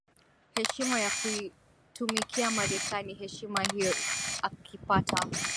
heshima ya kuitumikia Marekani Heshima hiyo akipata